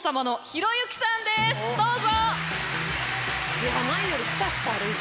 どうぞ！